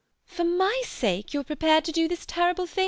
] For my sake you are prepared to do this terrible thing?